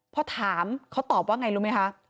พอถามเขาตอบว่าไงรู้ไหมคะ